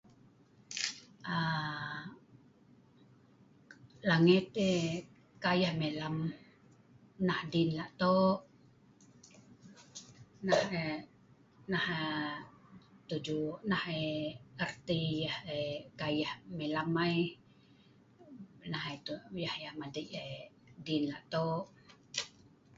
um langet um kai yeh melam nah dien la’ toq. Nah um nah um tuju nah um erti yeh um. kai yeh melam ai nah yeh um nah yeh madei dien la’ toq.